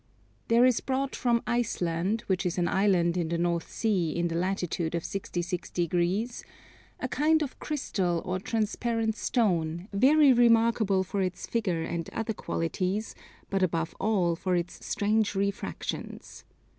There is brought from Iceland, which is an Island in the North Sea, in the latitude of 66 degrees, a kind of Crystal or transparent stone, very remarkable for its figure and other qualities, but above all for its strange refractions.